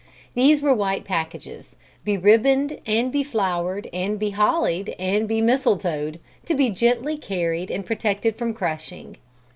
These were white packages, beribboned and beflowered and behollied and bemistletoed, to be gently carried and protected from crushing.